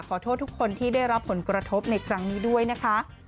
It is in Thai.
ขอโทษทุกคนที่ได้รับผลกระทบในครั้งนี้ด้วยนะคะ